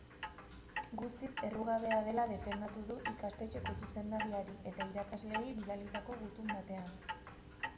Guztiz errugabea dela defendatu du ikastetxeko zuzendariari eta irakasleei bidalitako gutun batean.